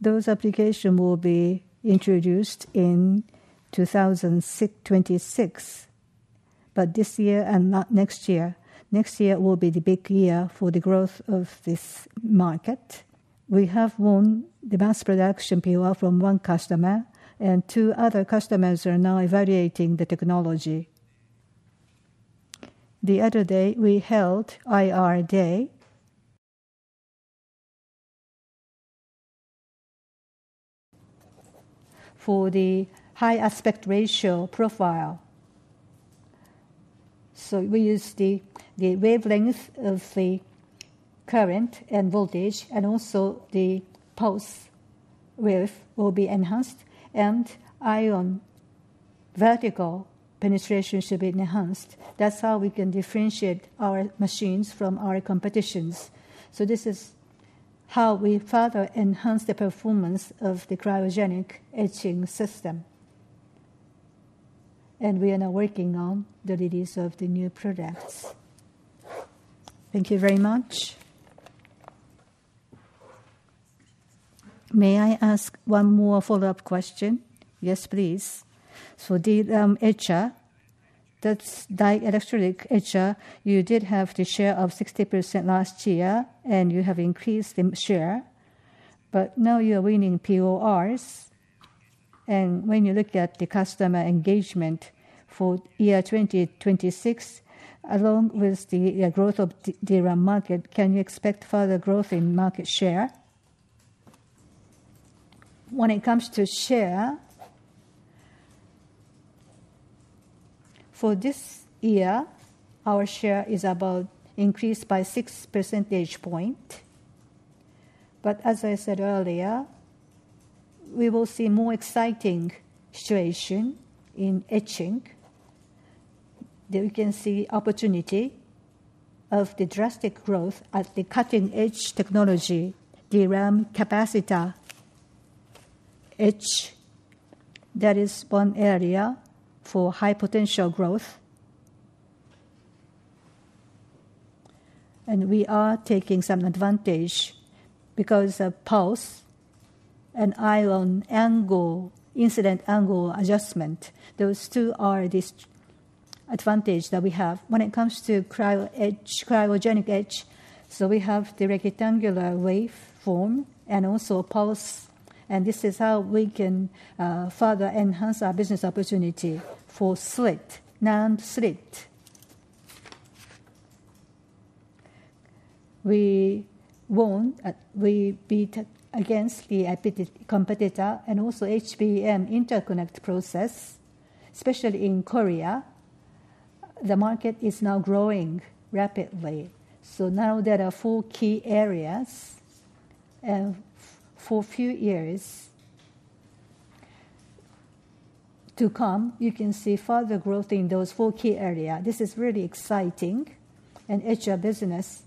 Those applications will be introduced in 2026. This year and not next year. Next year will be the big year for the growth of this market. We have won the mass production POR from one customer. Two other customers are now evaluating the technology. The other day, we held IR Day for the high aspect ratio profile. We use the wavelength of the current and voltage. Also, the pulse width will be enhanced. Ion vertical penetration should be enhanced. That is how we can differentiate our machines from our competitions. This is how we further enhance the performance of the cryogenic etching system. We are now working on the release of the new products. Thank you very much. May I ask one more follow-up question? Yes, please. DRAM etcher, that is dielectric etcher. You did have the share of 60% last year. You have increased the share. Now you are winning PORs. When you look at the customer engagement for year 2026, along with the growth of DRAM market, can you expect further growth in market share? When it comes to share, for this year, our share is about increased by 6 percentage points. As I said earlier, we will see a more exciting situation in etching. We can see the opportunity of the drastic growth at the cutting-edge technology, DRAM capacitor etcher. That is one area for high potential growth. We are taking some advantage because of pulse and ion angle incident angle adjustment. Those two are the advantage that we have. When it comes to cryo etcher, cryogenic etcher, we have the rectangular waveform and also pulse. This is how we can further enhance our business opportunity for slit, NAND slit. We won't beat against the competitor and also HBM interconnect process, especially in Korea. The market is now growing rapidly. There are four key areas. For a few years to come, you can see further growth in those four key areas. This is really exciting. Etcher business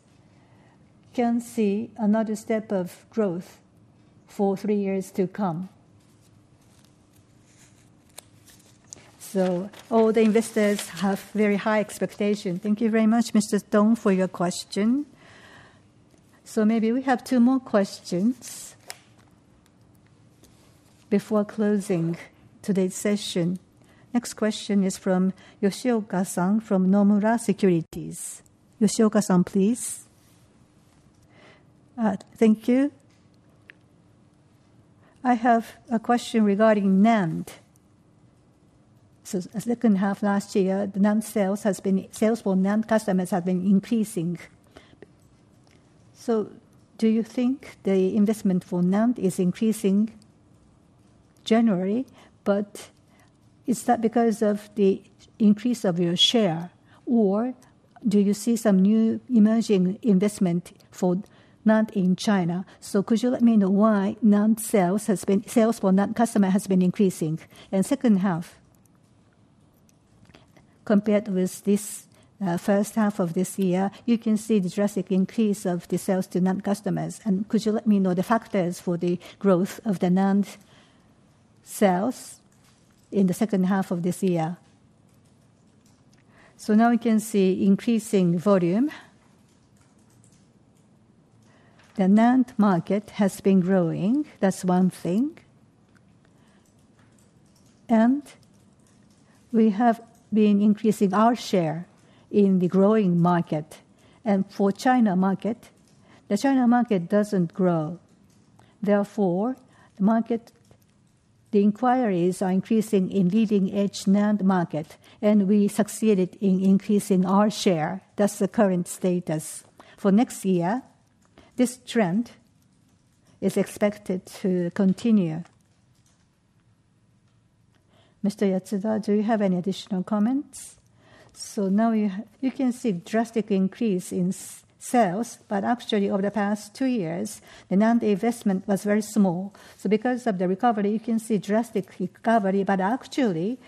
can see another step of growth for three years to come. All the investors have very high expectations. Thank you very much, Mr. Tong, for your question. We have two more questions before closing today's session. Next question is from Yoshio Kasam from Nomura Securities. Yoshio Kasam, please. Thank you. I have a question regarding NAND. The second half last year, the NAND sales for NAND customers have been increasing. Do you think the investment for NAND is increasing generally? Is that because of the increase of your share? Or do you see some new emerging investment for NAND in China? Could you let me know why NAND sales for NAND customers has been increasing? Second half, compared with this first half of this year, you can see the drastic increase of the sales to NAND customers. Could you let me know the factors for the growth of the NAND sales in the second half of this year? Now we can see increasing volume. The NAND market has been growing. That's one thing. We have been increasing our share in the growing market. For China market, the China market does not grow. Therefore, the inquiries are increasing in leading-edge NAND market. We succeeded in increasing our share. That's the current status. For next year, this trend is expected to continue. Mr. Yatsuda, do you have any additional comments? Now you can see a drastic increase in sales. Actually, over the past two years, the NAND investment was very small. Because of the recovery, you can see drastic recovery. Actually,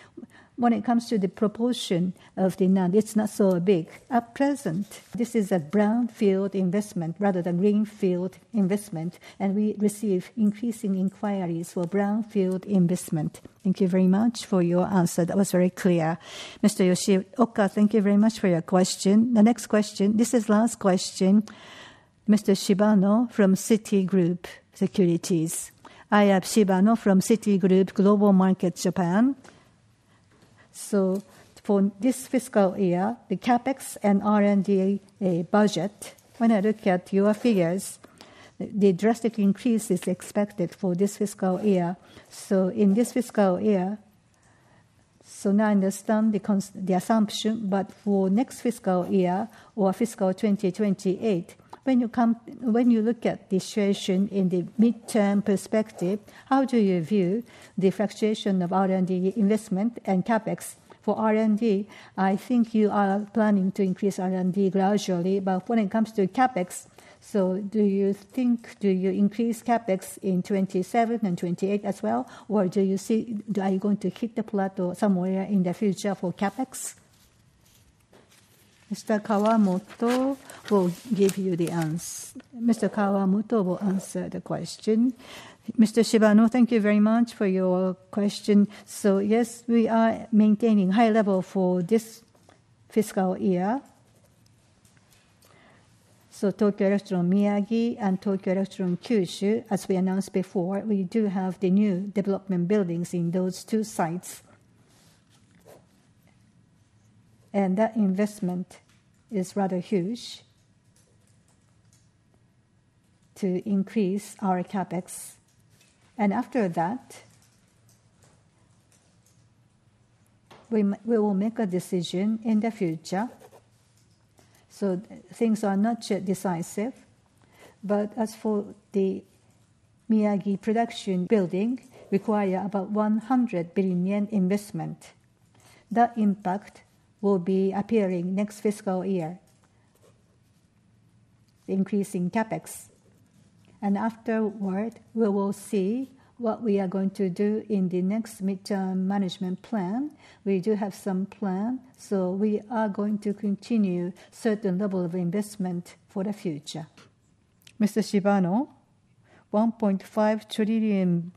when it comes to the proportion of the NAND, it is not so big. At present, this is a brownfield investment rather than greenfield investment. We receive increasing inquiries for brownfield investment. Thank you very much for your answer. That was very clear. Mr. Yoshio Oka, thank you very much for your question. The next question, this is the last question. Mr. Shibano from Citigroup Global Markets Japan. I have Shibano from Citigroup Global Markets Japan. For this fiscal year, the CapEx and R&D budget, when I look at your figures, the drastic increase is expected for this fiscal year. In this fiscal year, now I understand the assumption. For next fiscal year or fiscal 2028, when you look at the situation in the midterm perspective, how do you view the fluctuation of R&D investment and CapEx? For R&D, I think you are planning to increase R&D gradually. When it comes to CapEx, do you think you increase CapEx in 2027 and 2028 as well? Do you see you are going to hit the plateau somewhere in the future for CapEx? Mr. Kawamoto will give you the answer. Mr. Kawamoto will answer the question. Mr. Shibano, thank you very much for your question. Yes, we are maintaining high level for this fiscal year. Tokyo Electron Miyagi and Tokyo Electron Kyushu, as we announced before, we do have the new development buildings in those two sites. That investment is rather huge to increase our CapEx. After that, we will make a decision in the future. Things are not decisive. As for the Miyagi production building, require about 100 billion yen investment. That impact will be appearing next fiscal year, the increase in CapEx. Afterward, we will see what we are going to do in the next Mid-term Management Plan. We do have some plan. We are going to continue a certain level of investment for the future. Mr. Shibano, 1.5 trillion yen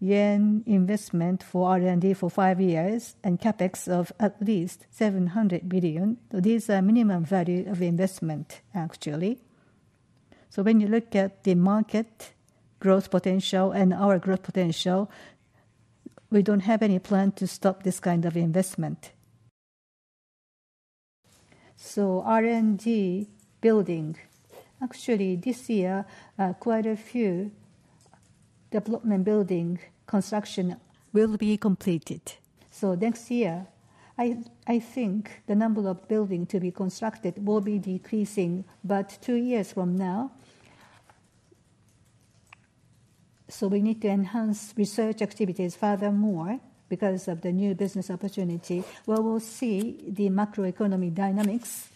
investment for R&D for five years and CapEx of at least 700 billion. These are minimum value of investment, actually. When you look at the market growth potential and our growth potential, we do not have any plan to stop this kind of investment. R&D building, actually, this year, quite a few development building construction will be completed. Next year, I think the number of buildings to be constructed will be decreasing about two years from now. We need to enhance research activities furthermore because of the new business opportunity. We will see the macroeconomic dynamics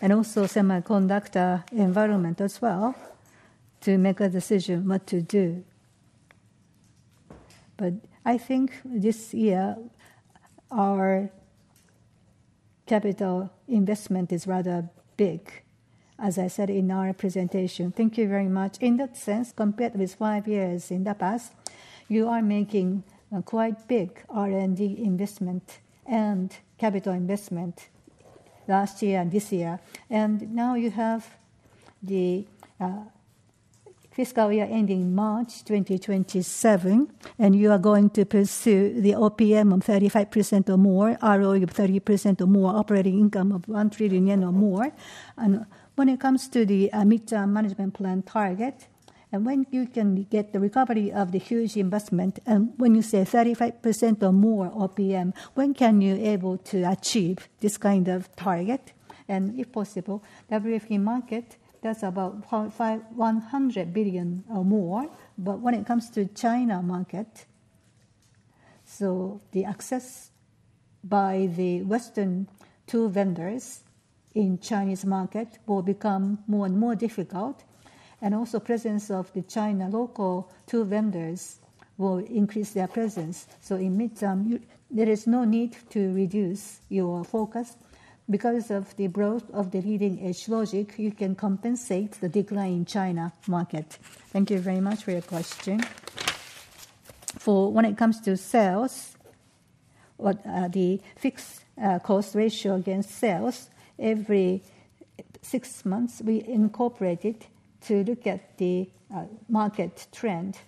and also semiconductor environment as well to make a decision what to do. I think this year, our capital investment is rather big, as I said in our presentation. Thank you very much. In that sense, compared with five years in the past, you are making quite big R&D investment and capital investment last year and this year. Now you have the fiscal year ending March 2027. You are going to pursue the OPM of 35% or more, ROE of 30% or more, operating income of 1 trillion yen or more. When it comes to the Mid-term Management Plan target, and when you can get the recovery of the huge investment, and when you say 35% or more OPM, when can you be able to achieve this kind of target? If possible, the WFE market, that's about $100 billion or more. When it comes to China market, the access by the Western tool vendors in Chinese market will become more and more difficult. Also, presence of the China local tool vendors will increase their presence. In midterm, there is no need to reduce your focus. Because of the growth of the leading-edge logic, you can compensate the decline in China market. Thank you very much for your question. When it comes to sales, what are the fixed cost ratio against sales? Every six months, we incorporate it to look at the market trend.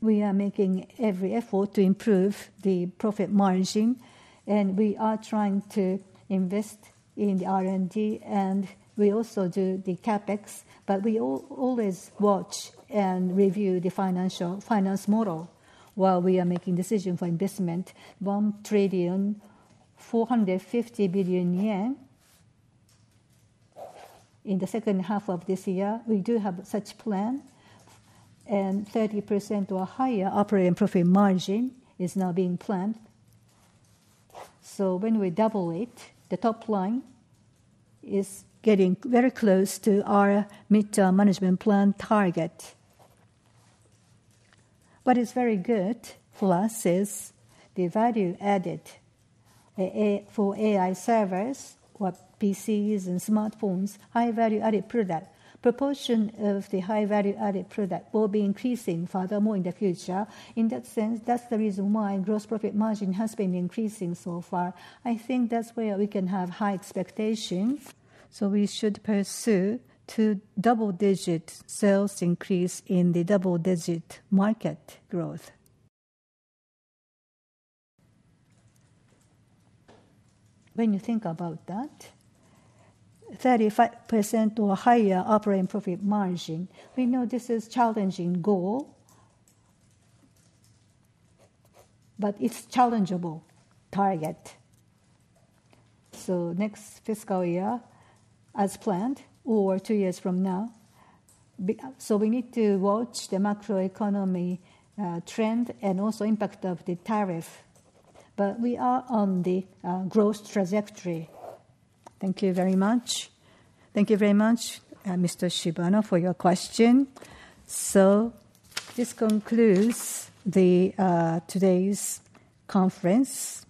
We are making every effort to improve the profit margin. We are trying to invest in the R&D. We also do the CapEx. We always watch and review the financial finance model while we are making decisions for investment. 1.45 trillion in the second half of this year. We do have such plan. A 30% or higher operating profit margin is now being planned. When we double it, the top line is getting very close to our Mid-term Management Plan target. What is very good for us is the value added for AI servers, what PCs and smartphones, high value added product. Proportion of the high value added product will be increasing furthermore in the future. In that sense, that's the reason why gross profit margin has been increasing so far. I think that's where we can have high expectations. We should pursue two double-digit sales increase in the double-digit market growth. When you think about that, 35% or higher operating profit margin, we know this is a challenging goal. It is a challengeable target. Next fiscal year, as planned, or two years from now. We need to watch the macroeconomy trend and also the impact of the tariff. We are on the growth trajectory. Thank you very much. Thank you very much, Mr. Shibano, for your question. This concludes today's conference.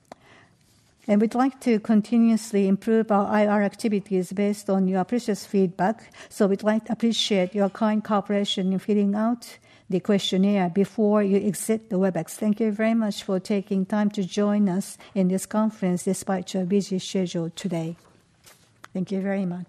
We would like to continuously improve our IR activities based on your precious feedback. We would like to appreciate your kind cooperation in filling out the questionnaire before you exit the WebEx. Thank you very much for taking time to join us in this conference despite your busy schedule today. Thank you very much.